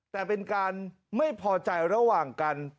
แต่เป็นการไม่พอใจระหว่างกัน